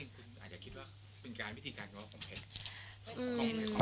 เป็นวิธีการล้อของเพ้น